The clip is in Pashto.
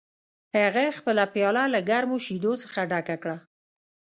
هغه خپله پیاله له ګرمو شیدو څخه ډکه کړه